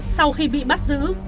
sau khi bị bắt giữ